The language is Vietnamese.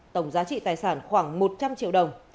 tổng giá trị tài sản khoảng một trăm linh triệu đồng